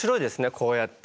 こうやって。